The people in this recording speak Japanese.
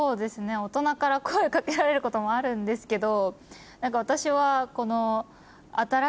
大人から声掛けられることもあるんですけど私はこの。